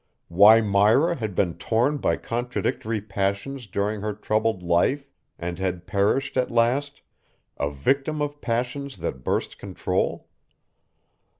Why Myra had been torn by contradictory passions during her troubled life and had perished at last, a victim of passions that burst control?